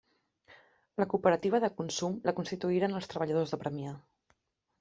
La cooperativa de consum la constituïren els treballadors de Premià.